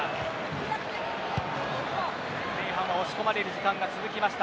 前半は押し込まれる時間が続きました。